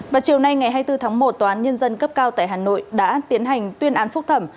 và chiều nay ngày hai mươi bốn tháng một toán nhân dân cấp cao tại hà nội đã tiến hành tuyên án phúc thẩm